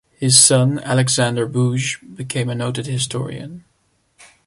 His son Alexander Bugge became a noted historian.